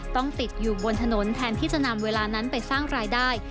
ต้องติดอยู่บนถนนแทนที่จะนำเวลานั้นไปสร้างรายได้